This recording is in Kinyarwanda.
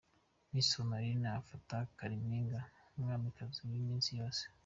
Miss Honorine afata Kalimpinya nk'umwamikazi w'iminsi yose.